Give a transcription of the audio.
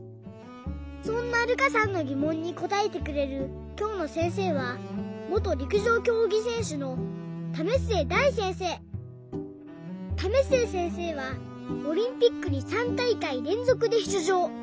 そんなるかさんのぎもんにこたえてくれるきょうのせんせいは為末せんせいはオリンピックに３たいかいれんぞくでしゅつじょう。